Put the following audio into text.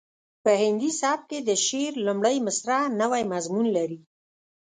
په هندي سبک کې د شعر لومړۍ مسره نوی مضمون لري